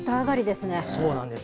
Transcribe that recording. そうなんです。